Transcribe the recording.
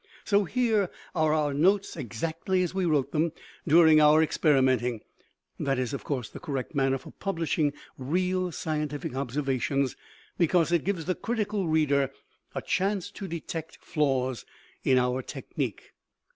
So here are our notes exactly as we wrote them during our experimenting. This is, of course, the correct manner for publishing real scientific observations, because it gives the critical reader a chance to detect flaws in our technique!